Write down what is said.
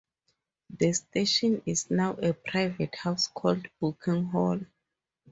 The station is now a private house called Booking Hall.